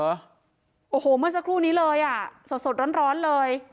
โอ้โหเมื่อสักครู่นี้เลยอ่ะสดร้อนเลย